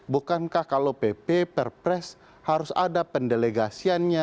bukankah kalau pp perpres harus ada pendelegasiannya